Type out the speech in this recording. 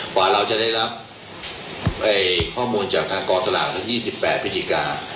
กว่าเราจะได้รับข้อมูลจากทางก่อสระ๒๘ปฏิกา